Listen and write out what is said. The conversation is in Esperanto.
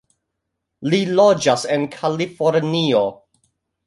Li loĝas en Kalifornio.